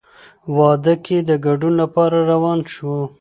واده کې د ګډون لپاره روان شوو.